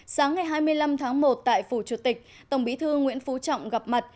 sáng ngày hai mươi năm tháng một tại phủ chủ tịch tổng bí thư nguyễn phú trọng gặp mặt